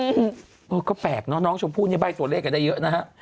อือก็แปลกเนอะน้องชมพูนี้ใบตัวเลขใกล้ได้เยอะนะฮะ